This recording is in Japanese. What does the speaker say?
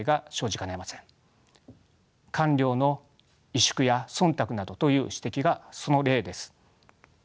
官僚の萎縮や忖度などという指摘がその例です。